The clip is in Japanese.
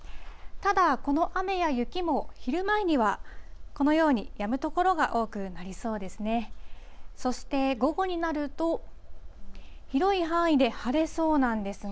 ただ、この雨や雪も、昼前にはこのように、やむ所が多くなりそうですね。